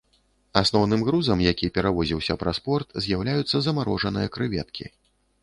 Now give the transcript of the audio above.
Асноўным грузам, які перавозіўся праз порт, з'яўляюцца замарожаныя крэветкі.